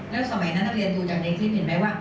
แล้วสมัยนั้นนักเรียนดูอย่างในคลิปเห็นไหมว่า